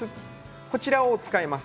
これを使います。